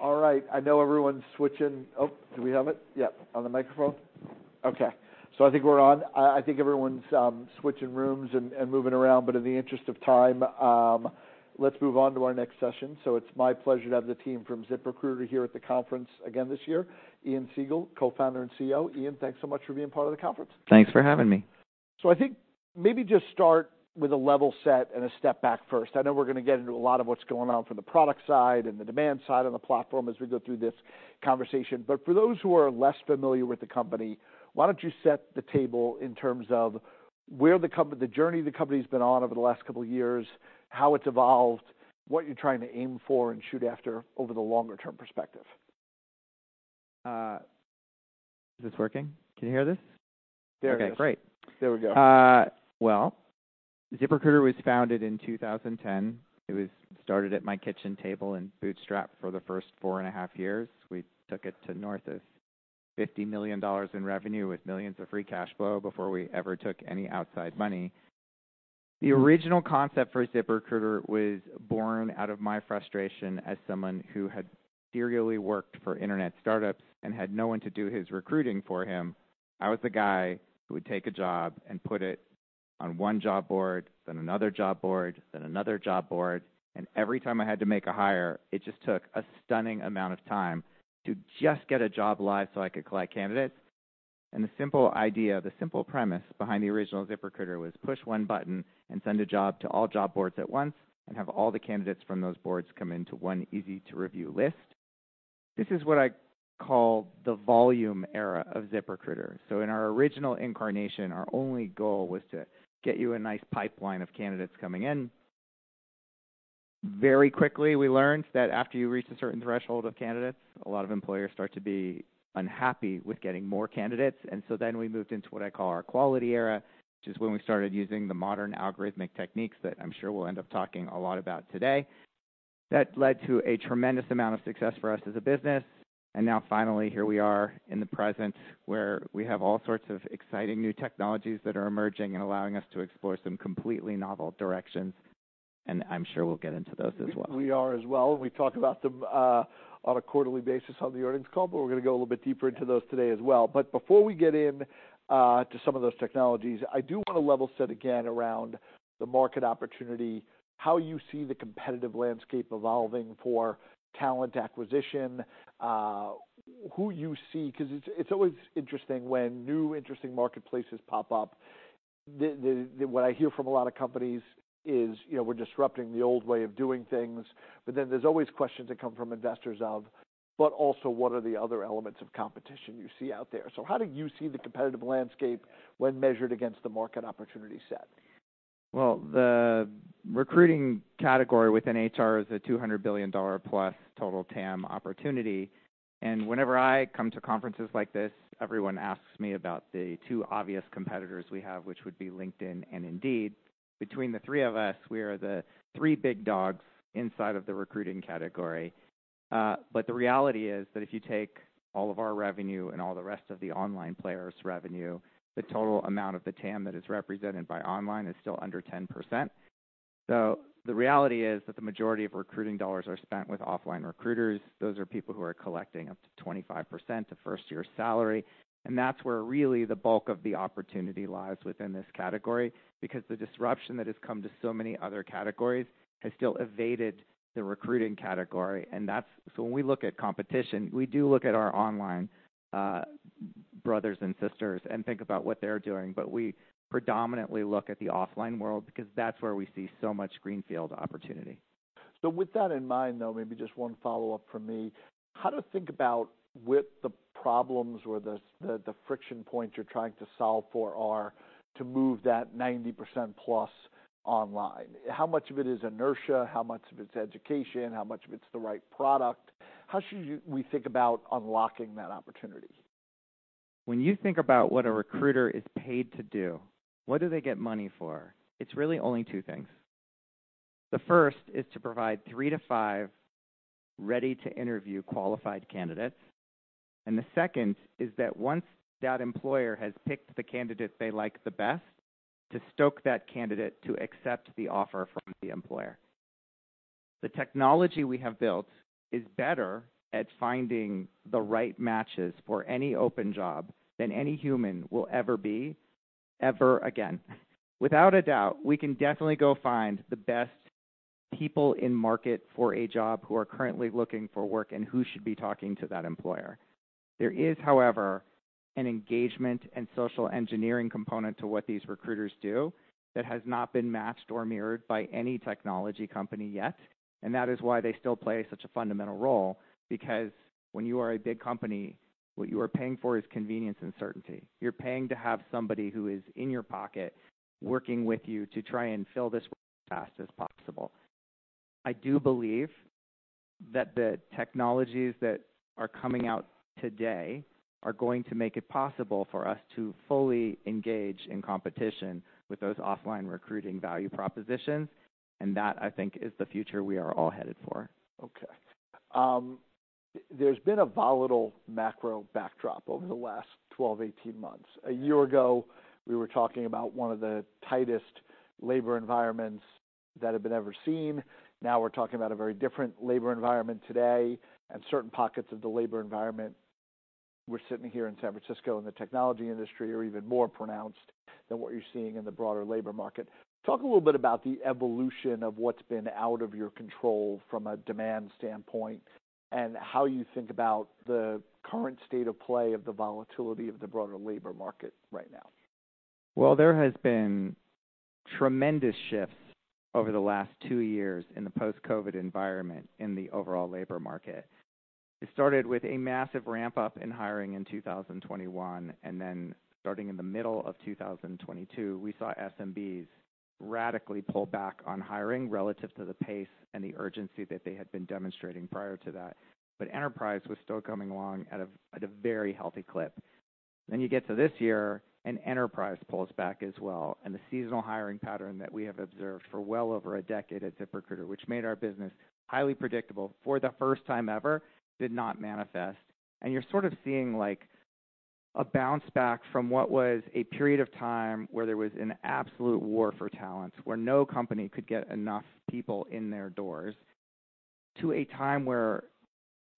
All right, I know everyone's switching. Oh, do we have it? Yep, on the microphone. Okay, so I think we're on. I think everyone's switching rooms and moving around, but in the interest of time, let's move on to our next session. So it's my pleasure to have the team from ZipRecruiter here at the conference again this year. Ian Siegel, Co-founder and Chief Executive Officer. Ian, thanks so much for being part of the conference. Thanks for having me. I think maybe just start with a level set and a step back first. I know we're gonna get into a lot of what's going on from the product side and the demand side of the platform as we go through this conversation, but for those who are less familiar with the company, why don't you set the table in terms of where the company, the journey the company's been on over the last couple of years, how it's evolved, what you're trying to aim for and shoot after over the longer term perspective? Is this working? Can you hear this? There it is. Okay, great! There we go. Well, ZipRecruiter was founded in 2010. It was started at my kitchen table and bootstrapped for the first four and a half years. We took it to north of $50 million in revenue, with millions of free cash flow, before we ever took any outside money. The original concept for ZipRecruiter was born out of my frustration as someone who had serially worked for internet startups and had no one to do his recruiting for him. I was the guy who would take a job and put it on one job board, then another job board, then another job board, and every time I had to make a hire, it just took a stunning amount of time to just get a job live so I could collect candidates. The simple idea, the simple premise behind the original ZipRecruiter was push one button and send a job to all job boards at once and have all the candidates from those boards come into one easy-to-review list. This is what I call the volume era of ZipRecruiter. So in our original incarnation, our only goal was to get you a nice pipeline of candidates coming in. Very quickly, we learned that after you reach a certain threshold of candidates, a lot of employers start to be unhappy with getting more candidates. And so then we moved into what I call our quality era, which is when we started using the modern algorithmic techniques that I'm sure we'll end up talking a lot about today. That led to a tremendous amount of success for us as a business. Now finally, here we are in the present, where we have all sorts of exciting new technologies that are emerging and allowing us to explore some completely novel directions. I'm sure we'll get into those as well. We are as well, and we talk about them on a quarterly basis on the earnings call, but we're going to go a little bit deeper into those today as well. But before we get in to some of those technologies, I do want to level set again around the market opportunity, how you see the competitive landscape evolving for talent acquisition, who you see. 'Cause it's always interesting when new interesting marketplaces pop up. What I hear from a lot of companies is, "You know, we're disrupting the old way of doing things." But then there's always questions that come from investors of, "But also, what are the other elements of competition you see out there?" So how do you see the competitive landscape when measured against the market opportunity set? Well, the recruiting category within HR is a $200 billion-plus total TAM opportunity. Whenever I come to conferences like this, everyone asks me about the two obvious competitors we have, which would be LinkedIn and Indeed. Between the three of us, we are the three big dogs inside of the recruiting category. But the reality is that if you take all of our revenue and all the rest of the online players' revenue, the total amount of the TAM that is represented by online is still under 10%. So the reality is that the majority of recruiting dollars are spent with offline recruiters. Those are people who are collecting up to 25% of first year's salary, and that's where really the bulk of the opportunity lies within this category, because the disruption that has come to so many other categories has still evaded the recruiting category. And that's so when we look at competition, we do look at our online brothers and sisters and think about what they're doing, but we predominantly look at the offline world because that's where we see so much greenfield opportunity. So with that in mind, though, maybe just one follow-up from me: How to think about what the problems or the friction points you're trying to solve for are, to move that 90%+ online? How much of it is inertia? How much of it's education? How much of it's the right product? How should you, we think about unlocking that opportunity? When you think about what a recruiter is paid to do, what do they get money for? It's really only two things. The first is to provide three to five ready-to-interview qualified candidates, and the second is that once that employer has picked the candidate they like the best, to stoke that candidate to accept the offer from the employer. The technology we have built is better at finding the right matches for any open job than any human will ever be, ever again. Without a doubt, we can definitely go find the best people in market for a job who are currently looking for work, and who should be talking to that employer. There is, however, an engagement and social engineering component to what these recruiters do that has not been matched or mirrored by any technology company yet. That is why they still play such a fundamental role, because when you are a big company, what you are paying for is convenience and certainty. You're paying to have somebody who is in your pocket working with you to try and fill this as fast as possible. I do believe that the technologies that are coming out today are going to make it possible for us to fully engage in competition with those offline recruiting value propositions, and that, I think, is the future we are all headed for. Okay. There's been a volatile macro backdrop over the last 12-18 months. A year ago, we were talking about one of the tightest labor environments that have been ever seen. Now, we're talking about a very different labor environment today, and certain pockets of the labor environment. We're sitting here in San Francisco, and the technology industry are even more pronounced than what you're seeing in the broader labor market. Talk a little bit about the evolution of what's been out of your control from a demand standpoint, and how you think about the current state of play of the volatility of the broader labor market right now. Well, there has been tremendous shifts over the last two years in the post-COVID environment, in the overall labor market. It started with a massive ramp-up in hiring in 2021, and then starting in the middle of 2022, we saw SMBs radically pull back on hiring relative to the pace and the urgency that they had been demonstrating prior to that. But enterprise was still coming along at a, at a very healthy clip. Then you get to this year, and enterprise pulls back as well, and the seasonal hiring pattern that we have observed for well over a decade at ZipRecruiter, which made our business highly predictable, for the first time ever, did not manifest. You're sort of seeing, like, a bounce back from what was a period of time where there was an absolute war for talent, where no company could get enough people in their doors, to a time where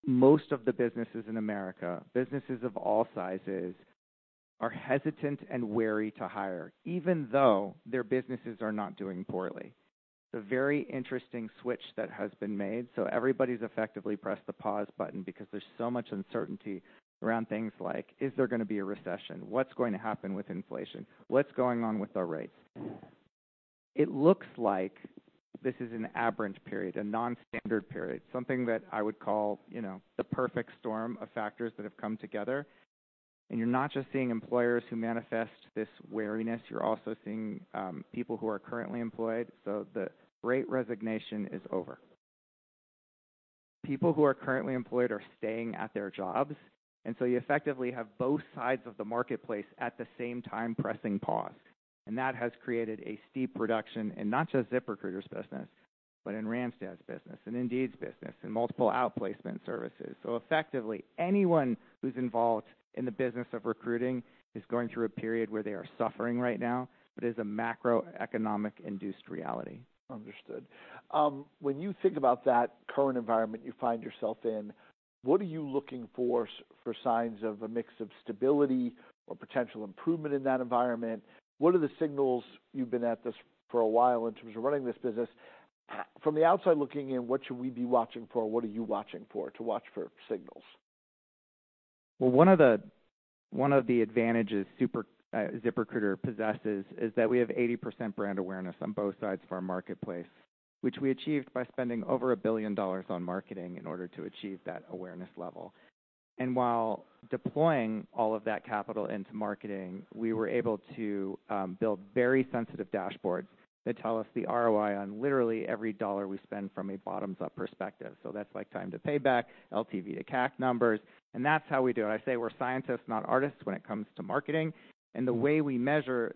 most of the businesses in America, businesses of all sizes, are hesitant and wary to hire, even though their businesses are not doing poorly. It's a very interesting switch that has been made, so everybody's effectively pressed the pause button because there's so much uncertainty around things like: Is there gonna be a recession? What's going to happen with inflation? What's going on with the rates? It looks like this is an aberrant period, a non-standard period, something that I would call, you know, the perfect storm of factors that have come together. You're not just seeing employers who manifest this wariness, you're also seeing people who are currently employed. So the Great Resignation is over. People who are currently employed are staying at their jobs, and so you effectively have both sides of the marketplace, at the same time, pressing pause. And that has created a steep reduction in not just ZipRecruiter's business, but in Randstad's business and Indeed's business, and multiple outplacement services. So effectively, anyone who's involved in the business of recruiting is going through a period where they are suffering right now. It is a macroeconomic-induced reality. Understood. When you think about that current environment you find yourself in, what are you looking for signs of a mix of stability or potential improvement in that environment? What are the signals... You've been at this for a while in terms of running this business. From the outside looking in, what should we be watching for? What are you watching for, to watch for signals? Well, one of the advantages ZipRecruiter possesses is that we have 80% brand awareness on both sides of our marketplace, which we achieved by spending over $1 billion on marketing in order to achieve that awareness level. While deploying all of that capital into marketing, we were able to build very sensitive dashboards that tell us the ROI on literally every dollar we spend from a bottoms-up perspective. So that's like time to payback, LTV to CAC numbers, and that's how we do it. I say we're scientists, not artists, when it comes to marketing. The way we measure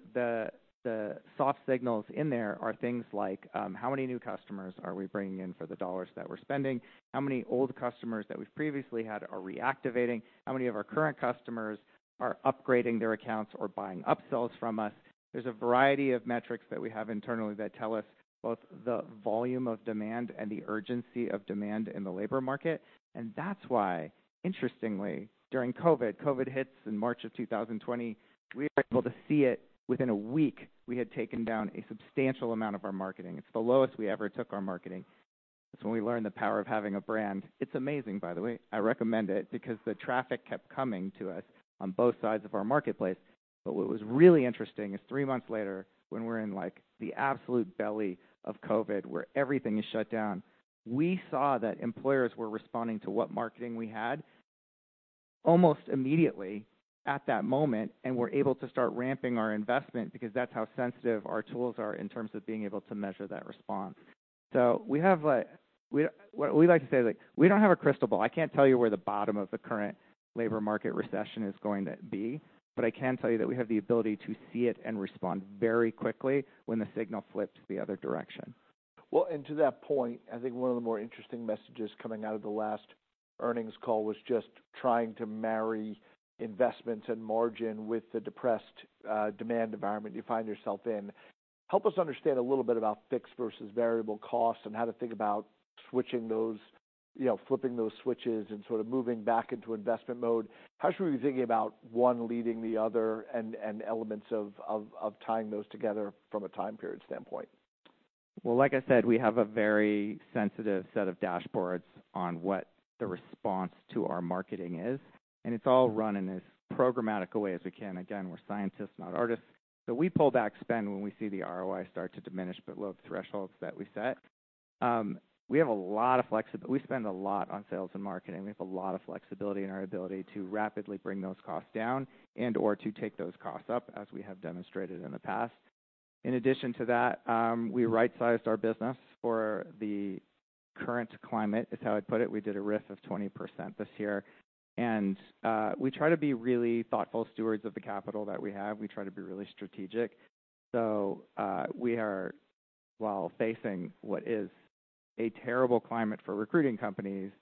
the soft signals in there are things like how many new customers are we bringing in for the dollars that we're spending? How many old customers that we've previously had are reactivating? How many of our current customers are upgrading their accounts or buying upsells from us? There's a variety of metrics that we have internally that tell us both the volume of demand and the urgency of demand in the labor market, and that's why, interestingly, during COVID, COVID hits in March of 2020, we were able to see it. Within a week, we had taken down a substantial amount of our marketing. It's the lowest we ever took our marketing. That's when we learned the power of having a brand. It's amazing, by the way. I recommend it, because the traffic kept coming to us on both sides of our marketplace. But what was really interesting is, three months later, when we're in, like, the absolute belly of COVID, where everything is shut down, we saw that employers were responding to what marketing we had almost immediately at that moment, and were able to start ramping our investment, because that's how sensitive our tools are in terms of being able to measure that response. So what we like to say is, like, we don't have a crystal ball. I can't tell you where the bottom of the current labor market recession is going to be, but I can tell you that we have the ability to see it and respond very quickly when the signal flips the other direction. Well, and to that point, I think one of the more interesting messages coming out of the last earnings call was just trying to marry investments and margin with the depressed, demand environment you find yourself in. Help us understand a little bit about fixed versus variable costs, and how to think about switching those, you know, flipping those switches and sort of moving back into investment mode. How should we be thinking about one leading the other, and, and elements of, of, of tying those together from a time period standpoint? Well, like I said, we have a very sensitive set of dashboards on what the response to our marketing is, and it's all run in as programmatic a way as we can. Again, we're scientists, not artists. So we pull back spend when we see the ROI start to diminish below the thresholds that we set. We spend a lot on sales and marketing. We have a lot of flexibility in our ability to rapidly bring those costs down and/or to take those costs up, as we have demonstrated in the past. In addition to that, we right-sized our business for the current climate, is how I'd put it. We did a RIF of 20% this year, and we try to be really thoughtful stewards of the capital that we have. We try to be really strategic. So, we are, while facing what is a terrible climate for recruiting companies,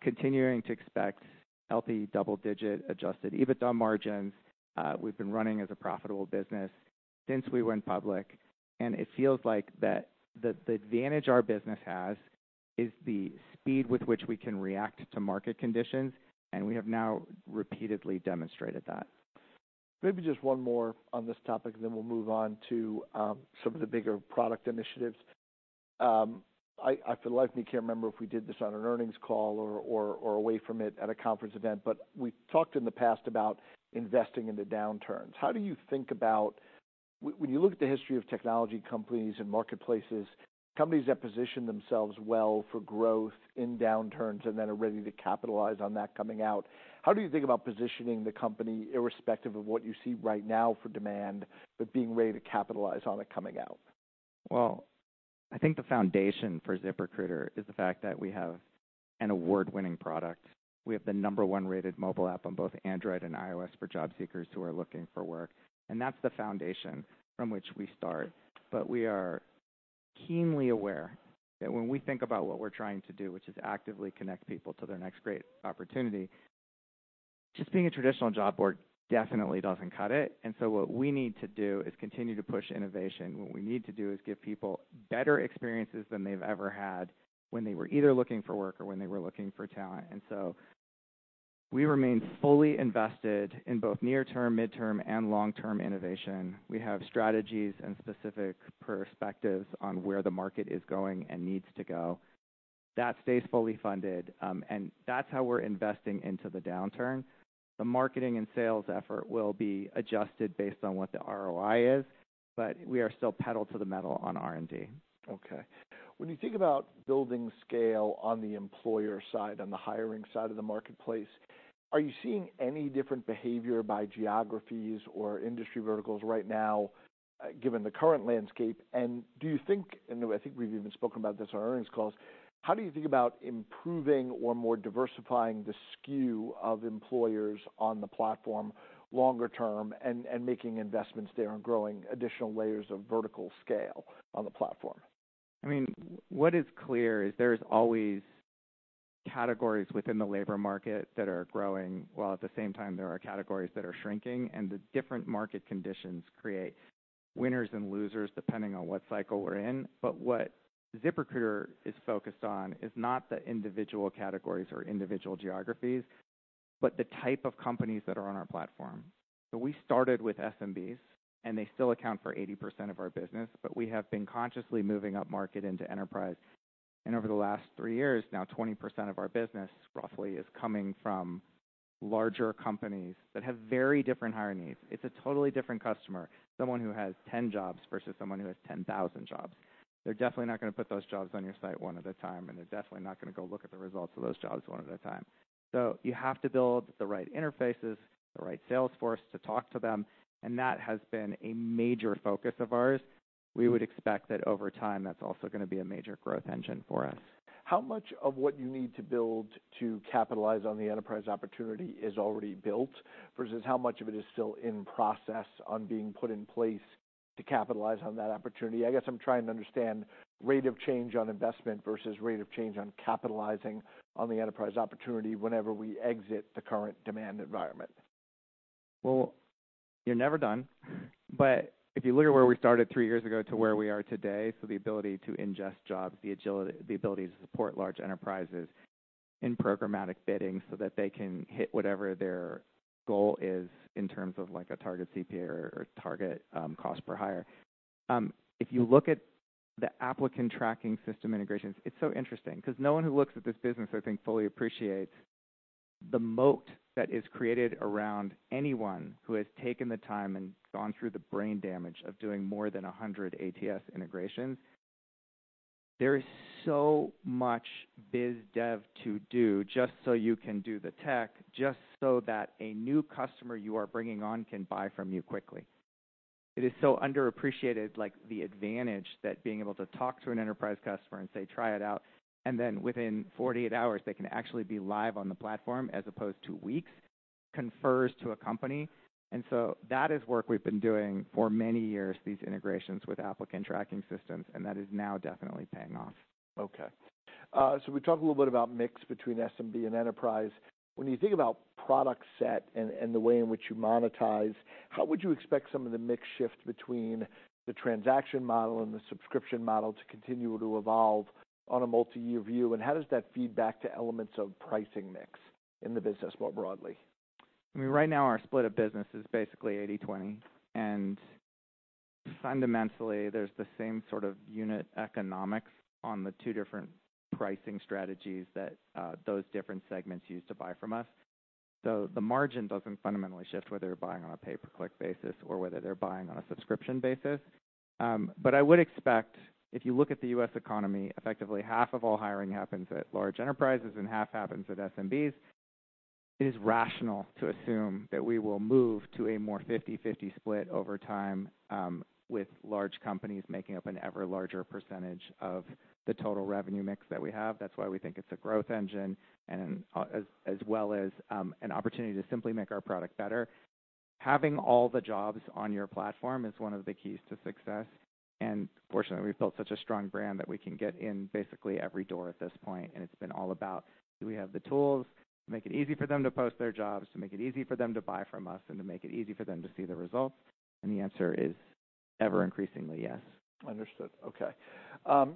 continuing to expect healthy double-digit Adjusted EBITDA margins. We've been running as a profitable business since we went public, and it feels like that the advantage our business has is the speed with which we can react to market conditions, and we have now repeatedly demonstrated that. Maybe just one more on this topic, then we'll move on to some of the bigger product initiatives. I, for the life of me, can't remember if we did this on an earnings call or away from it at a conference event, but we talked in the past about investing in the downturns. How do you think about. when you look at the history of technology companies and marketplaces, companies that position themselves well for growth in downturns and then are ready to capitalize on that coming out, how do you think about positioning the company, irrespective of what you see right now for demand, but being ready to capitalize on it coming out? Well, I think the foundation for ZipRecruiter is the fact that we have an award-winning product. We have the number one-rated mobile app on both Android and iOS for job seekers who are looking for work, and that's the foundation from which we start. But we are keenly aware that when we think about what we're trying to do, which is actively connect people to their next great opportunity, just being a traditional job board definitely doesn't cut it, and so what we need to do is continue to push innovation. What we need to do is give people better experiences than they've ever had when they were either looking for work or when they were looking for talent. And so we remain fully invested in both near-term, midterm, and long-term innovation. We have strategies and specific perspectives on where the market is going and needs to go. That stays fully funded, and that's how we're investing into the downturn. The marketing and sales effort will be adjusted based on what the ROI is, but we are still pedal to the metal on R&D. Okay. When you think about building scale on the employer side, on the hiring side of the marketplace, are you seeing any different behavior by geographies or industry verticals right now, given the current landscape? Do you think, and I think we've even spoken about this on earnings calls, how do you think about improving or more diversifying the skew of employers on the platform longer term, and, and making investments there on growing additional layers of vertical scale on the platform? I mean, what is clear is there is always categories within the labor market that are growing, while at the same time there are categories that are shrinking, and the different market conditions create winners and losers, depending on what cycle we're in. But what ZipRecruiter is focused on is not the individual categories or individual geographies, but the type of companies that are on our platform. So we started with SMBs, and they still account for 80% of our business, but we have been consciously moving up market into enterprise. And over the last three years, now 20% of our business, roughly, is coming from larger companies that have very different hiring needs. It's a totally different customer, someone who has 10 jobs versus someone who has 10,000 jobs. They're definitely not gonna put those jobs on your site one at a time, and they're definitely not gonna go look at the results of those jobs one at a time. So you have to build the right interfaces, the right sales force to talk to them, and that has been a major focus of ours. We would expect that over time, that's also gonna be a major growth engine for us. How much of what you need to build to capitalize on the enterprise opportunity is already built, versus how much of it is still in process on being put in place to capitalize on that opportunity? I guess I'm trying to understand rate of change on investment versus rate of change on capitalizing on the enterprise opportunity whenever we exit the current demand environment. Well, you're never done, but if you look at where we started three years ago to where we are today, so the ability to ingest jobs, the agility, the ability to support large enterprises in programmatic bidding so that they can hit whatever their goal is in terms of, like, a target CPA or, or target, cost per hire. If you look at the applicant tracking system integrations, it's so interesting because no one who looks at this business, I think, fully appreciates the moat that is created around anyone who has taken the time and gone through the brain damage of doing more than 100 ATS integrations. There is so much biz dev to do, just so you can do the tech, just so that a new customer you are bringing on can buy from you quickly. It is so underappreciated, like, the advantage that being able to talk to an enterprise customer and say, "Try it out," and then within 48 hours, they can actually be live on the platform, as opposed to weeks, confers to a company. And so that is work we've been doing for many years, these integrations with applicant tracking systems, and that is now definitely paying off. Okay. So we talked a little bit about mix between SMB and enterprise. When you think about product set and, and the way in which you monetize, how would you expect some of the mix shift between the transaction model and the subscription model to continue to evolve on a multi-year view? And how does that feed back to elements of pricing mix in the business more broadly? I mean, right now, our split of business is basically 80/20, and fundamentally, there's the same sort of unit economics on the two different pricing strategies that those different segments use to buy from us. So the margin doesn't fundamentally shift whether you're buying on a pay-per-click basis or whether they're buying on a subscription basis. But I would expect if you look at the U.S. economy, effectively half of all hiring happens at large enterprises and half happens at SMBs. It is rational to assume that we will move to a more 50/50 split over time, with large companies making up an ever larger percentage of the total revenue mix that we have. That's why we think it's a growth engine and as well as an opportunity to simply make our product better. having all the jobs on your platform is one of the keys to success, and fortunately, we've built such a strong brand that we can get in basically every door at this point, and it's been all about, do we have the tools to make it easy for them to post their jobs, to make it easy for them to buy from us, and to make it easy for them to see the results? And the answer is ever increasingly yes. Understood. Okay.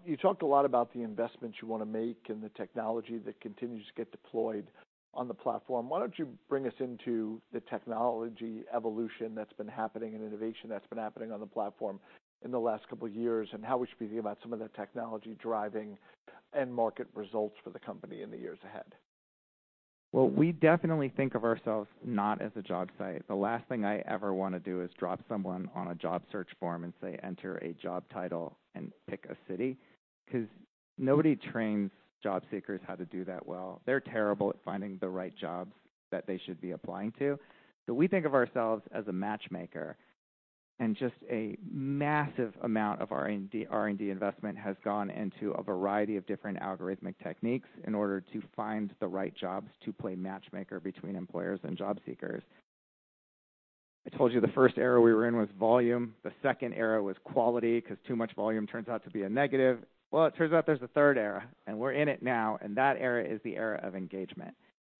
You talked a lot about the investments you wanna make and the technology that continues to get deployed on the platform. Why don't you bring us into the technology evolution that's been happening, and innovation that's been happening on the platform in the last couple of years, and how we should be thinking about some of the technology driving end-market results for the company in the years ahead? Well, we definitely think of ourselves not as a job site. The last thing I ever wanna do is drop someone on a job search form and say, "Enter a job title and pick a city," 'cause nobody trains job seekers how to do that well. They're terrible at finding the right jobs that they should be applying to. So we think of ourselves as a matchmaker, and just a massive amount of R&D, R&D investment has gone into a variety of different algorithmic techniques in order to find the right jobs to play matchmaker between employers and job seekers. I told you the first era we were in was volume, the second era was quality, 'cause too much volume turns out to be a negative. Well, it turns out there's a third era, and we're in it now, and that era is the era of engagement.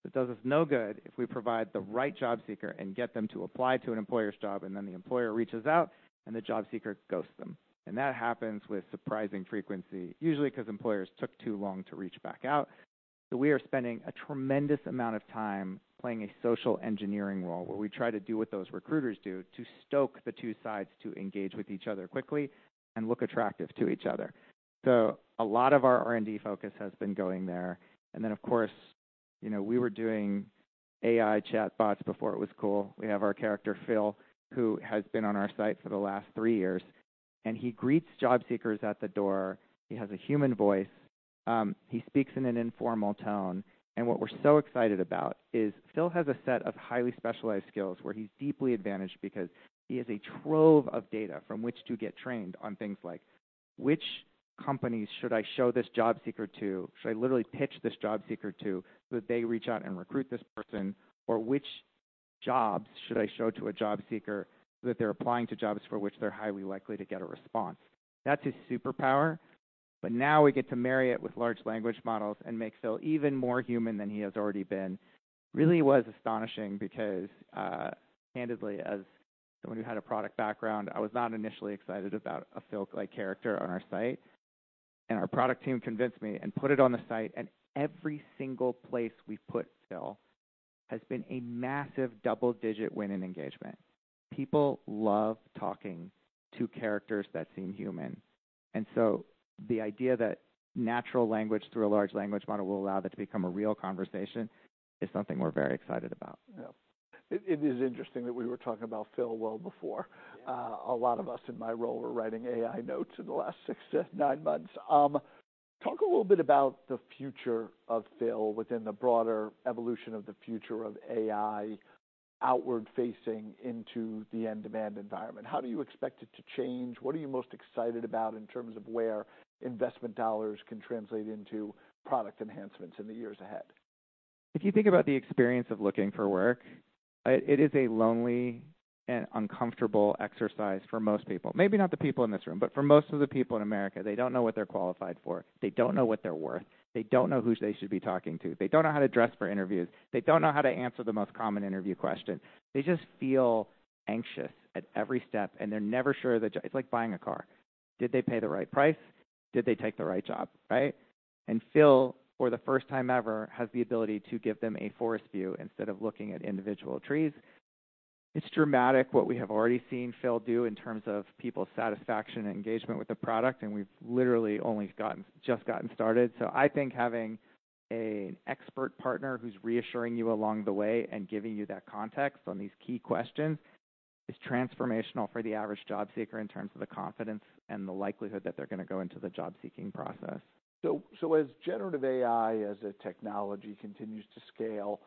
It does us no good if we provide the right job seeker and get them to apply to an employer's job, and then the employer reaches out, and the job seeker ghosts them. That happens with surprising frequency, usually 'cause employers took too long to reach back out. We are spending a tremendous amount of time playing a social engineering role, where we try to do what those recruiters do to stoke the two sides to engage with each other quickly and look attractive to each other. A lot of our R&D focus has been going there, and then, of course, you know, we were doing AI chatbots before it was cool. We have our character, Phil, who has been on our site for the last three years, and he greets job seekers at the door. He has a human voice, he speaks in an informal tone, and what we're so excited about is Phil has a set of highly specialized skills where he's deeply advantaged because he has a trove of data from which to get trained on things like: Which companies should I show this job seeker to? Should I literally pitch this job seeker to, so that they reach out and recruit this person? Or which jobs should I show to a job seeker, so that they're applying to jobs for which they're highly likely to get a response? That's his superpower, but now we get to marry it with large language models and make Phil even more human than he has already been. Really, it was astonishing because, candidly, as someone who had a product background, I was not initially excited about a Phil-like character on our site, and our product team convinced me and put it on the site, and every single place we've put Phil has been a massive double-digit win in engagement. People love talking to characters that seem human, and so the idea that natural language through a large language model will allow that to become a real conversation is something we're very excited about. Yeah. It is interesting that we were talking about Phil well before- Yeah A lot of us in my role were writing AI notes in the last six to nine months. Talk a little bit about the future of Phil within the broader evolution of the future of AI, outward-facing into the end-demand environment. How do you expect it to change? What are you most excited about in terms of where investment dollars can translate into product enhancements in the years ahead? If you think about the experience of looking for work, it is a lonely and uncomfortable exercise for most people. Maybe not the people in this room, but for most of the people in America, they don't know what they're qualified for, they don't know what they're worth, they don't know who they should be talking to, they don't know how to dress for interviews, they don't know how to answer the most common interview questions. They just feel anxious at every step, and they're never sure that... It's like buying a car. Did they pay the right price? Did they take the right job, right? And Phil, for the first time ever, has the ability to give them a forest view instead of looking at individual trees. It's dramatic what we have already seen Phil do in terms of people's satisfaction and engagement with the product, and we've literally only gotten started. So I think having an expert partner who's reassuring you along the way and giving you that context on these key questions is transformational for the average job seeker in terms of the confidence and the likelihood that they're gonna go into the job-seeking process. So, as generative AI, as a technology, continues to scale,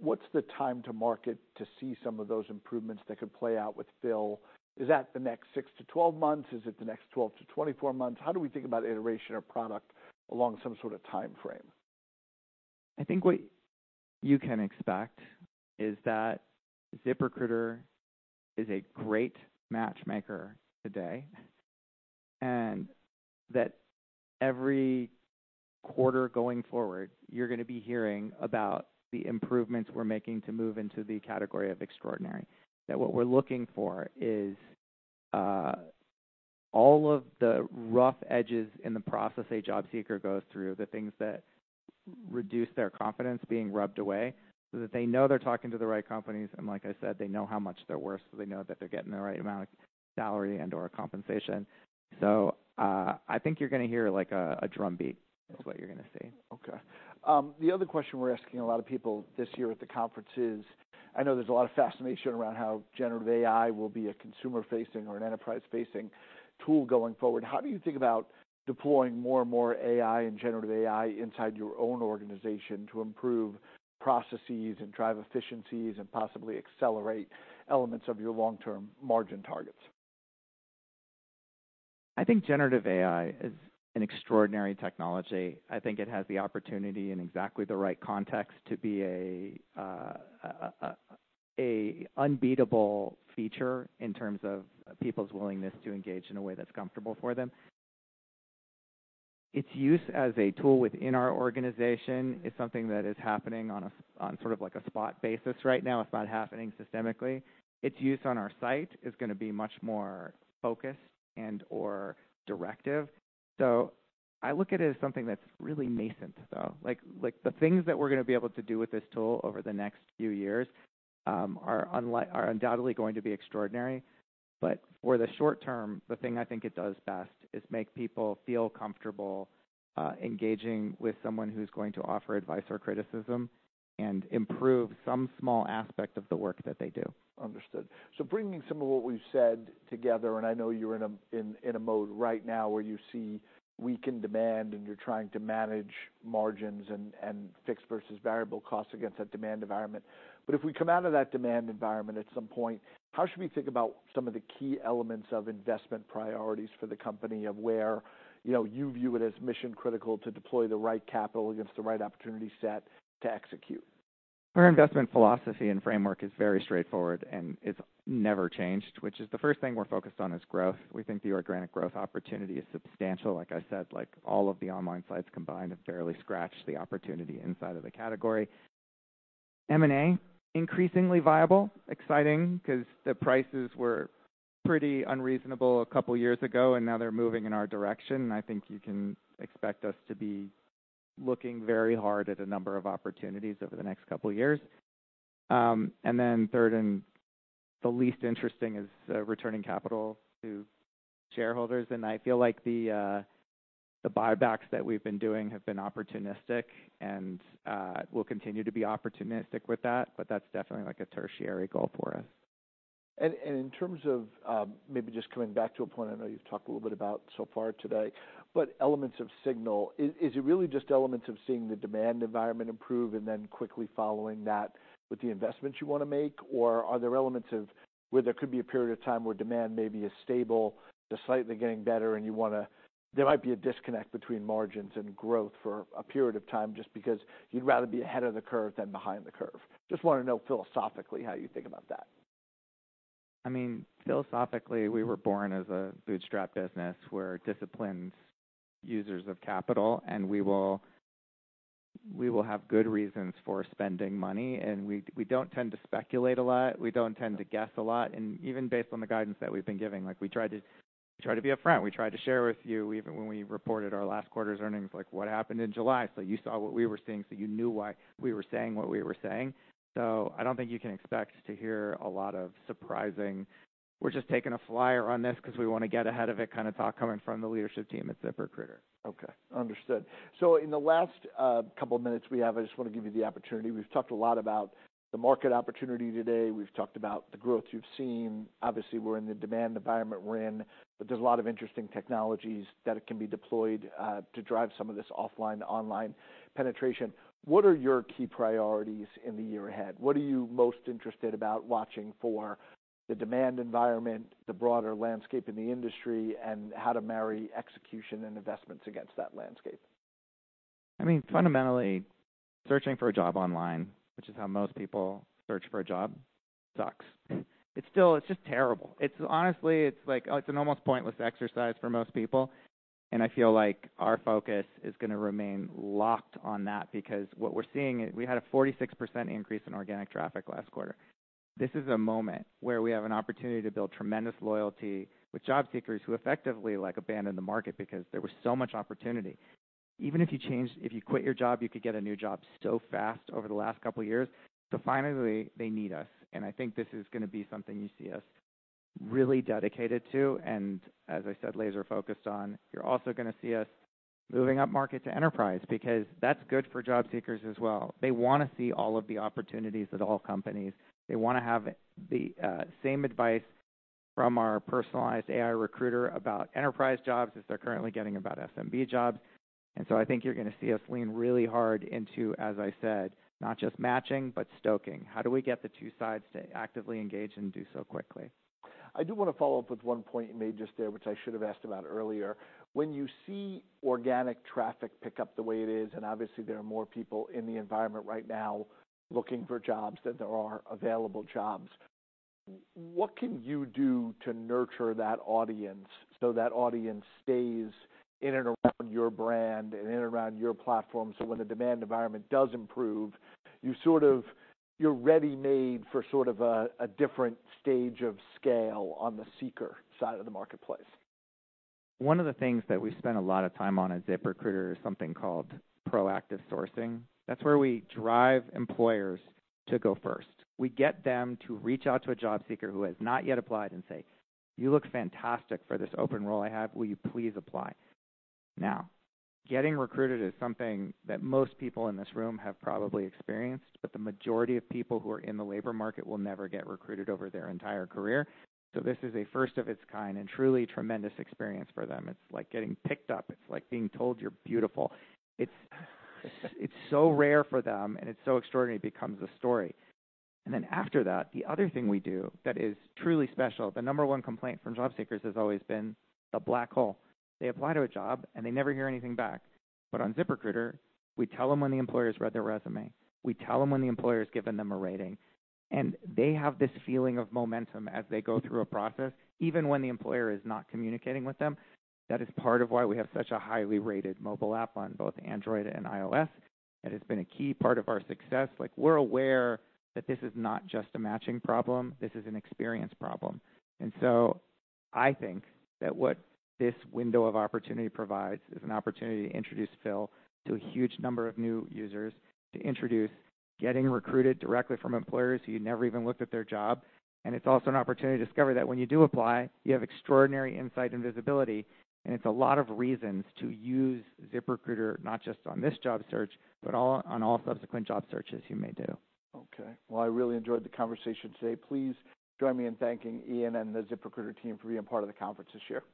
what's the time to market to see some of those improvements that could play out with Phil? Is that the next six-12 months? Is it the next 12-24 months? How do we think about iteration of product along some sort of time frame? I think what you can expect is that ZipRecruiter is a great matchmaker today, and that every quarter going forward, you're gonna be hearing about the improvements we're making to move into the category of extraordinary. That what we're looking for is all of the rough edges in the process a job seeker goes through, the things that reduce their confidence being rubbed away, so that they know they're talking to the right companies, and like I said, they know how much they're worth, so they know that they're getting the right amount of salary and/or compensation. So, I think you're gonna hear, like, a drumbeat, is what you're gonna see. Okay. The other question we're asking a lot of people this year at the conference is, I know there's a lot of fascination around how generative AI will be a consumer-facing or an enterprise-facing tool going forward. How do you think about deploying more and more AI and generative AI inside your own organization to improve processes and drive efficiencies, and possibly accelerate elements of your long-term margin targets?... I think generative AI is an extraordinary technology. I think it has the opportunity, in exactly the right context, to be an unbeatable feature in terms of people's willingness to engage in a way that's comfortable for them. Its use as a tool within our organization is something that is happening on sort of like a spot basis right now. It's not happening systemically. Its use on our site is gonna be much more focused and/or directive. So I look at it as something that's really nascent, though. Like, the things that we're gonna be able to do with this tool over the next few years are undoubtedly going to be extraordinary. But for the short term, the thing I think it does best is make people feel comfortable, engaging with someone who's going to offer advice or criticism, and improve some small aspect of the work that they do. Understood. So bringing some of what we've said together, and I know you're in a mode right now where you see weakened demand, and you're trying to manage margins and fixed versus variable costs against that demand environment. But if we come out of that demand environment at some point, how should we think about some of the key elements of investment priorities for the company of where, you know, you view it as mission-critical to deploy the right capital against the right opportunity set to execute? Our investment philosophy and framework is very straightforward, and it's never changed, which is the first thing we're focused on is growth. We think the organic growth opportunity is substantial. Like I said, like, all of the online sites combined have barely scratched the opportunity inside of the category. M&A, increasingly viable, exciting, 'cause the prices were pretty unreasonable a couple years ago, and now they're moving in our direction. And I think you can expect us to be looking very hard at a number of opportunities over the next couple of years. And then third, and the least interesting, is returning capital to shareholders. And I feel like the buybacks that we've been doing have been opportunistic and will continue to be opportunistic with that, but that's definitely, like, a tertiary goal for us. And in terms of, maybe just coming back to a point I know you've talked a little bit about so far today, but elements of signal. Is it really just elements of seeing the demand environment improve and then quickly following that with the investments you wanna make? Or are there elements of where there could be a period of time where demand maybe is stable to slightly getting better, and you wanna... There might be a disconnect between margins and growth for a period of time, just because you'd rather be ahead of the curve than behind the curve. Just wanna know philosophically how you think about that. I mean, philosophically, we were born as a bootstrap business. We're disciplined users of capital, and we will, we will have good reasons for spending money, and we, we don't tend to speculate a lot. We don't tend to guess a lot, and even based on the guidance that we've been giving, like, we try to, try to be up front. We tried to share with you, even when we reported our last quarter's earnings, like, what happened in July, so you saw what we were seeing, so you knew why we were saying what we were saying. So I don't think you can expect to hear a lot of surprising, "We're just taking a flyer on this 'cause we wanna get ahead of it," kind of talk coming from the leadership team at ZipRecruiter. Okay, understood. So in the last couple of minutes we have, I just wanna give you the opportunity. We've talked a lot about the market opportunity today. We've talked about the growth you've seen. Obviously, we're in the demand environment we're in, but there's a lot of interesting technologies that can be deployed to drive some of this offline to online penetration. What are your key priorities in the year ahead? What are you most interested about watching for the demand environment, the broader landscape in the industry, and how to marry execution and investments against that landscape? I mean, fundamentally, searching for a job online, which is how most people search for a job, sucks. It's still, it's just terrible. It's honestly, it's like, oh, it's an almost pointless exercise for most people, and I feel like our focus is gonna remain locked on that. Because what we're seeing is, we had a 46% increase in organic traffic last quarter. This is a moment where we have an opportunity to build tremendous loyalty with job seekers who effectively, like, abandoned the market because there was so much opportunity. Even if you quit your job, you could get a new job so fast over the last couple of years. So finally, they need us, and I think this is gonna be something you see us really dedicated to and, as I said, laser-focused on. You're also gonna see us moving up market to enterprise, because that's good for job seekers as well. They wanna see all of the opportunities at all companies. They wanna have the same advice from our personalized AI recruiter about enterprise jobs as they're currently getting about SMB jobs. And so I think you're gonna see us lean really hard into, as I said, not just matching, but stoking. How do we get the two sides to actively engage and do so quickly? I do wanna follow up with one point you made just there, which I should have asked about earlier. When you see organic traffic pick up the way it is, and obviously there are more people in the environment right now looking for jobs than there are available jobs, what can you do to nurture that audience so that audience stays in and around your brand and in and around your platform, so when the demand environment does improve, you sort of, you're ready-made for sort of a, a different stage of scale on the seeker side of the marketplace? One of the things that we spend a lot of time on at ZipRecruiter is something called proactive sourcing. That's where we drive employers to go first. We get them to reach out to a job seeker who has not yet applied and say, "You look fantastic for this open role I have. Will you please apply?" Now, getting recruited is something that most people in this room have probably experienced, but the majority of people who are in the labor market will never get recruited over their entire career. So this is a first of its kind and truly tremendous experience for them. It's like getting picked up. It's like being told you're beautiful. It's so rare for them, and it's so extraordinary, it becomes a story. And then after that, the other thing we do that is truly special, the number one complaint from job seekers has always been the black hole. They apply to a job, and they never hear anything back. But on ZipRecruiter, we tell them when the employer's read their resume. We tell them when the employer's given them a rating, and they have this feeling of momentum as they go through a process, even when the employer is not communicating with them. That is part of why we have such a highly rated mobile app on both Android and iOS. It has been a key part of our success. Like, we're aware that this is not just a matching problem. This is an experience problem. And so I think that what this window of opportunity provides is an opportunity to introduce Phil to a huge number of new users, to introduce getting recruited directly from employers who you never even looked at their job. And it's also an opportunity to discover that when you do apply, you have extraordinary insight and visibility, and it's a lot of reasons to use ZipRecruiter, not just on this job search, but all, on all subsequent job searches you may do. Okay. Well, I really enjoyed the conversation today. Please join me in thanking Ian and the ZipRecruiter team for being part of the conference this year.